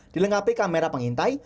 dilengkapi kamera pengintai